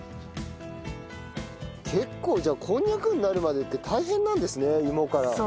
結構こんにゃくになるまでって大変なんですね芋から。